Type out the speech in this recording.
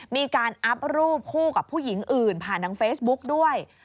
มีการอัพรูปคู่กับผู้หญิงอื่นผ่านทางเฟซบุ๊กด้วย